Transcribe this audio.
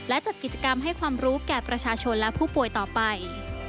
และจัดกิจกรรมให้ความรู้แก่ประชาชนและผู้ป่วยต่อไป